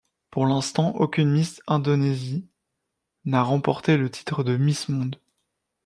Pour l'instant, aucune Miss Indonésie n'a remporté le titre de Miss Monde.